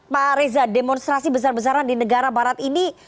pak reza demonstrasi besar besaran di negara barat ini